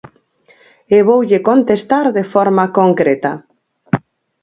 Eu voulle contestar de forma concreta.